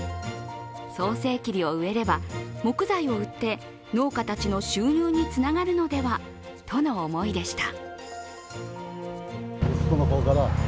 早生桐を植えれば木材を売って農家たちの収入につながるのではとの思いでした。